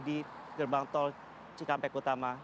di gerbang tol cikampek utama